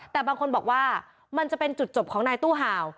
แต่บางคนบอกว่ามันจะเป็นจุดจบของนายตู้ห่าว